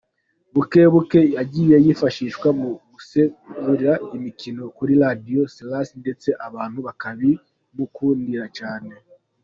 Buke buke yagiye yifashishwa mu gusesengura imikino kuri Radio Salus ndetse abantu bakabimukundira cyane.